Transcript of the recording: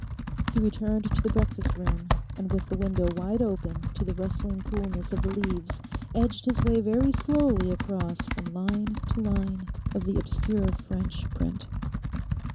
He returned to the breakfast room and with the window wide open to the rustling coolness of the leaves, edged his way very slowly across from line to line of the obscure French print.